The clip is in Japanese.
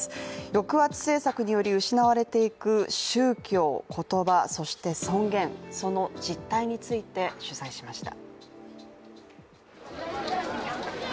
抑圧政策により失われていく宗教、言葉そして尊厳、その実態について取材しました。